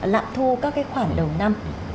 lạm thu các cái khoản đầu năm